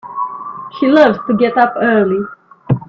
She loves to get up early.